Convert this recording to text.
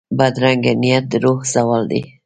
بدرنګه نیت د روح زوال وي